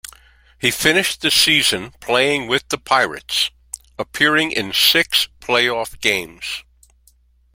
He finished the season playing with the Pirates, appearing in six playoff games.